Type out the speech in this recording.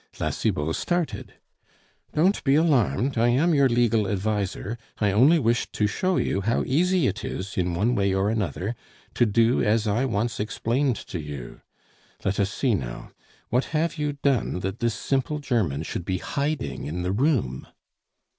La Cibot started. "Don't be alarmed; I am your legal adviser. I only wished to show you how easy it is, in one way or another, to do as I once explained to you. Let us see, now; what have you done that this simple German should be hiding in the room?"